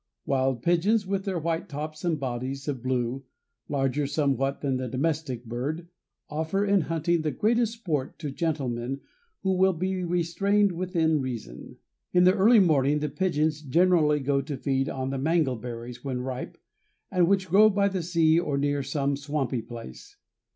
Wild pigeons, with their white tops and bodies of blue, larger somewhat than the domestic bird, offer, in hunting, the greatest sport to gentlemen who will be restrained within reason. In the early morning the pigeons generally go to feed on the mangle berries when ripe, and which grow by the sea or near some swampy place.